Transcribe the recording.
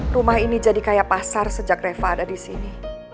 rumah ini jadi kayak pasar sejak reva ada di sini